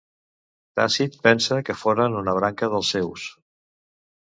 Tàcit pensa que foren una branca dels sueus.